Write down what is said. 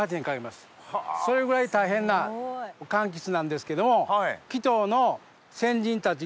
それぐらい大変な柑橘なんですけども。